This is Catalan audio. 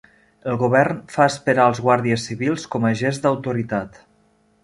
El govern fa esperar els Guàrdies Civils com a gest d'autoritat